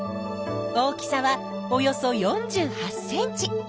大きさはおよそ４８ｃｍ！